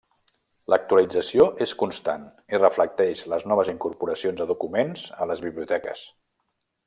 L'actualització és constant i reflecteix les noves incorporacions de documents a les biblioteques.